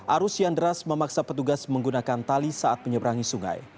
arus yandras memaksa petugas menggunakan tali saat menyeberangi sungai